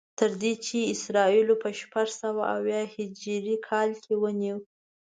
تر دې چې اسرائیلو په شپږسوه او اویا هجري کال کې ونیو.